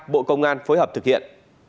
bộ công an phối hợp thực hiện